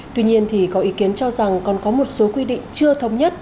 tuy nhiên thì có ý kiến cho rằng còn có một số quy định chưa thống nhất